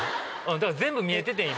だから全部見えててん今。